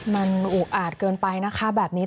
มันอุอาจเกินไปนะคะแบบนี้